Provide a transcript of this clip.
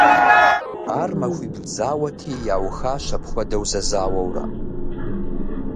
Ар махуибл зауэти, яухащ апхуэдэу зэзауэурэ.